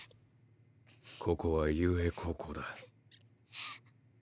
ここは雄英高校だ。